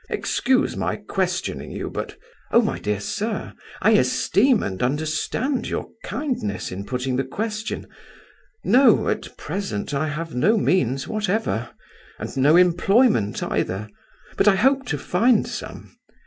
Excuse my questioning you, but—" "Oh, my dear sir, I esteem and understand your kindness in putting the question. No; at present I have no means whatever, and no employment either, but I hope to find some.